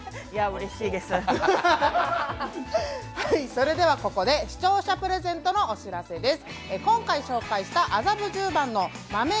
それではここで視聴者プレゼントのお知らせです。